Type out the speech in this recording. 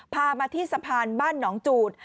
พามาที่สะพานบ้านหนองจูด